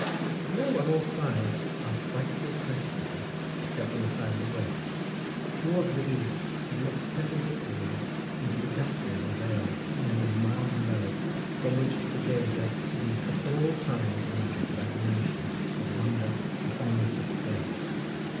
Below on all sides are frightful precipices except on the side of the west. Towards the east it looks perpendicularly into the dyffrin or vale, nearly a mile below, from which to the gazer it is at all times an object of admiration, of wonder, and almost of fear.